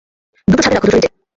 দুটো ছাদে রাখো, দুটো নিচে।